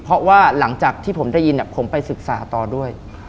เพราะว่าหลังจากที่ผมได้ยินผมไปศึกษาต่อด้วย